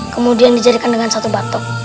kemudian dijadikan dengan satu batuk